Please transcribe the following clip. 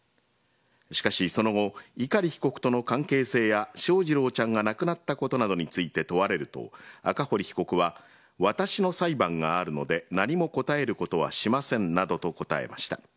しかし、その後碇被告との関係性や翔士郎ちゃんが亡くなったことなどについて問われると赤堀被告は私の裁判があるので何も答えることはしませんなどと答えました。